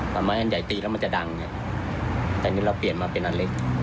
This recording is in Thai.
ไม้อันใหญ่ตีแล้วมันจะดังแต่อันนี้เราเปลี่ยนมาเป็นอันเล็ก